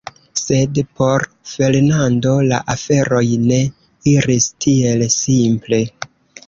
Sed por Fernando la aferoj ne iris tiel simple.